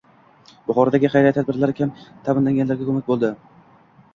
Buxorodagi xayriya tadbirlari kam ta’minlanganlarga ko‘mak bo‘ldi